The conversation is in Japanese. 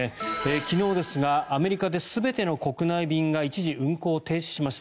昨日ですがアメリカの全ての国内便が一時運航停止しました。